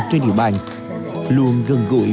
trên địa bàn luôn gần gũi